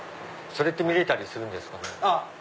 それって見れたりするんですか？